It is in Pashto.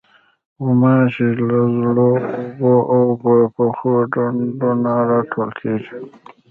غوماشې له زړو اوبو، اوبو پخو ډنډو نه راټوکېږي.